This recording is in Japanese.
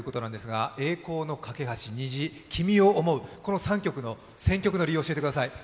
「栄光の架橋」、「虹」「君を想う」、この３曲の選曲の理由を教えてください。